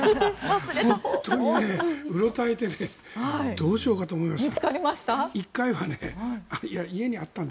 本当にうろたえてどうしようかと思いました。